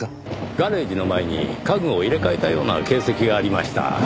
ガレージの前に家具を入れ替えたような形跡がありました。